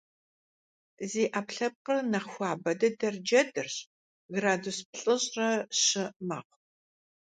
Зи Ӏэпкълъэпкъыр нэхъ хуабэ дыдэр джэдырщ - градус плӏыщӏрэ щы мэхъу.